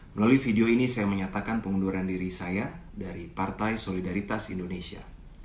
melalui video ini saya menyatakan pengunduran diri saya dari partai solidaritas indonesia